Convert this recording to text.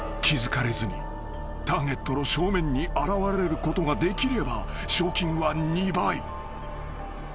［気付かれずにターゲットの正面に現れることができれば賞金は２倍］